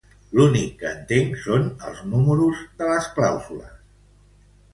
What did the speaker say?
L'únic que entenc són els número eros de les clàusules.